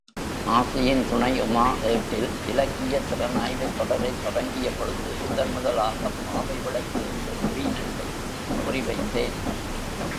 ஆசியின் துணை உமா ஏட்டில், இலக்கியத் திறனாய்வுத் தொடரைத் தொடங்கியபொழுது, முதன்முதலாகப் பாவை விளக்கு என்ற நவீனத்தைக் குறிவைத்தேன்.